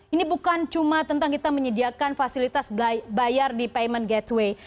ini bukan cuma tentang kita menyediakan fasilitas bayar di payment gateway